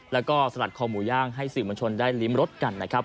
แล้วก็สลัดคอหมูย่างให้สื่อมวลชนได้ริมรสกันนะครับ